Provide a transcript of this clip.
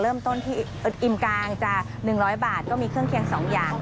อิ่มกลางจะ๑๐๐บาทก็มีเครื่องเคียง๒อย่าง